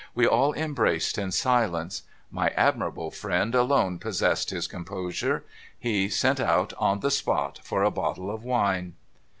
We all embraced in silence. My admirable friend alone possessed his composure. He sent out, on the spot, for a bottle of wine.'